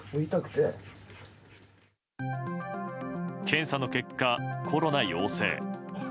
検査の結果、コロナ陽性。